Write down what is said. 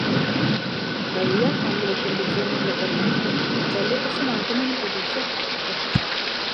Tuttavia, quando le condizioni non lo permettono, gli uccelli possono anche non riprodursi affatto.